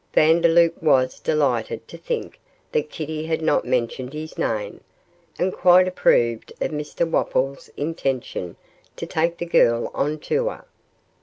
Vandeloup was delighted to think that Kitty had not mentioned his name, and quite approved of Mr Wopples' intention to take the girl on tour.